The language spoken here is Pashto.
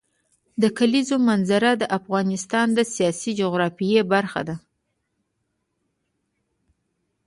د کلیزو منظره د افغانستان د سیاسي جغرافیه برخه ده.